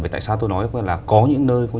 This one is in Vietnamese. tại sao tôi nói là có những nơi